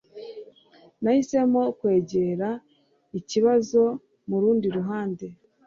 Nahisemo kwegera ikibazo murundi ruhande.